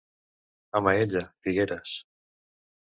A Maella, figueres.